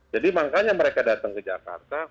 jadi makanya mereka datang ke jakarta